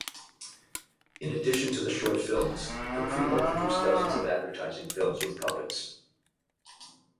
In addition to the short films, Caprino produced dozens of advertising films with puppets.